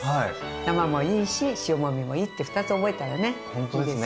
生もいいし塩もみもいいって２つ覚えたらねいいですよね。